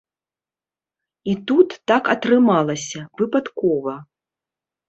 І тут так атрымалася, выпадкова.